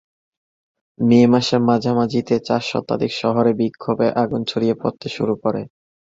মে মাসের মাঝামাঝিতে চার শতাধিক শহরের বিক্ষোভের আগুন ছড়িয়ে পড়তে শুরু করে।